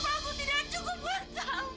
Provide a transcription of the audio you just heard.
perempuan rayon perempuan tua kamu